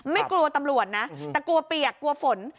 ไม่กลัวตำรวจนะแต่กลัวเปียกกลัวฝน